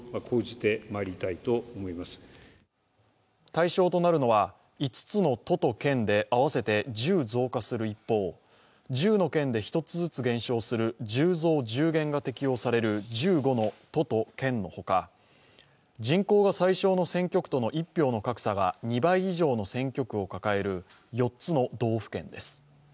対象となるのは５つの都と県で合わせて１０増加する一方、１０の県で１つずつ減少する１０増１０減が適用される１５の都と県のほか、人口が最小の選挙区との一票の格差が２倍以上の選挙区を抱える４つの道府県です。